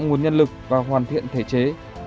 nguồn nhân lực và hoàn thiện thể chế